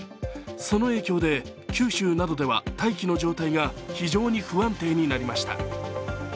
その影響で九州などでは大気の状態が非常に不安定になりました。